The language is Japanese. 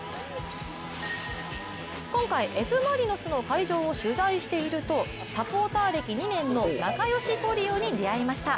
今回、Ｆ・マリノスの会場を取材しているとサポーター歴２年の仲良しトリオに出会いました。